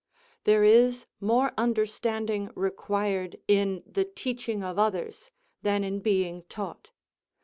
There is more understanding required in the teaching of' others than in being taught.